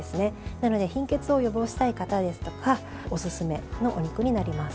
なので貧血を予防したい方ですとかおすすめのお肉になります。